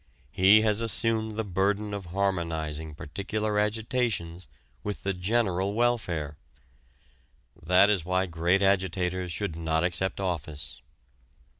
He has assumed the burden of harmonizing particular agitations with the general welfare. That is why great agitators should not accept office.